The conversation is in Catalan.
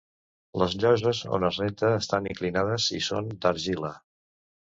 Les lloses on es renta estan inclinades i són d'argila.